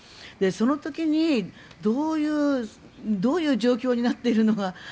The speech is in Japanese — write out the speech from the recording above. その時どういう状況になっているのか。